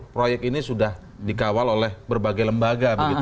proyek ini sudah dikawal oleh berbagai lembaga begitu